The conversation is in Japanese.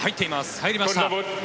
入りました。